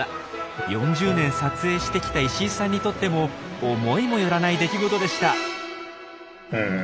４０年撮影してきた石井さんにとっても思いもよらない出来事でした。